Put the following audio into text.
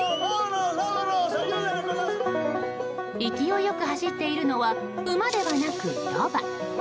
勢い良く走っているのは馬ではなくロバ。